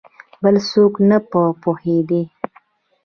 بل څوک نه په پوهېدی !